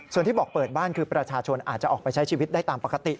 ส่วนที่บอกเปิดบ้านคือประชาชนอาจจะออกไปใช้ชีวิตได้ตามปกติ